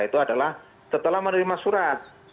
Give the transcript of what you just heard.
itu adalah setelah menerima surat